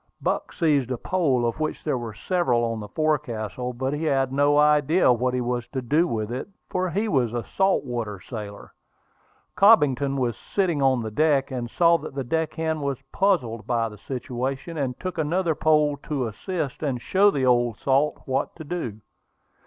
Buck seized a pole, of which there were several on the forecastle; but he had no idea what he was to do with it, for he was a salt water sailor. Cobbington was sitting on the deck, and saw that the deck hand was puzzled by the situation, and took another pole to assist and show the old salt what to do.